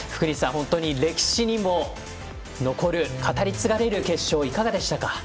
本当に歴史に残る語り継がれる決勝いかがでしたか？